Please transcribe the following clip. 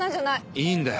いいんだよ